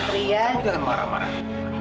kamu jangan marah marah